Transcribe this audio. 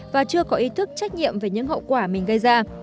và chưa có ý thức trách nhiệm về những hậu quả mình gây ra